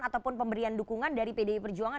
ataupun pemberian dukungan dari pdi perjuangan